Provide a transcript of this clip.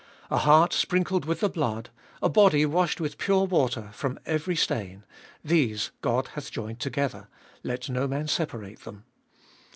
A heart sprinkled with the blood, a body washed with pure water from every stain, — these God hath joined together ; let no man separate them.